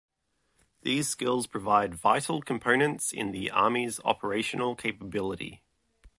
These skills provide vital components in the Army's operational capability.